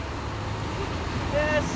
よし。